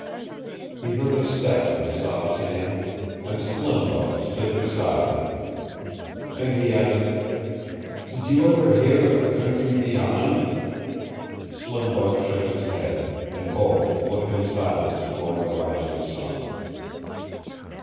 He heard a step in the soft sand, and Slim Buck stood beside him. And he asked. "Did you ever hear of the Country Beyond?" Slim Buck shook his head, and both looked in silence toward the rising sun.